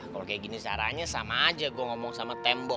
kalau kayak gini caranya sama aja gue ngomong sama tembok